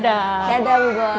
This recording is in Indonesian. dadah bu bos